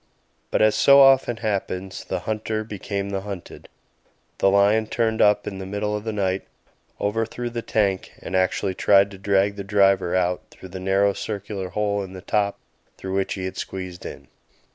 But as so often happens, the hunter became the hunted; the lion turned up in the middle of the night, overthrew the tank and actually tried to drag the driver out through the narrow circular hole in the top through which he had squeezed in.